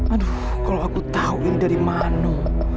aduh kalau aku tahu ini dari mana